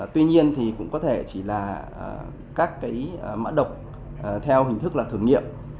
tuy nhiên thì cũng có thể chỉ là các cái mã độc theo hình thức là thử nghiệm